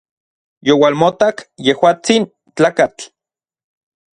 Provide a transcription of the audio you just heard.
Youalmotak yejuatsin tlakatl.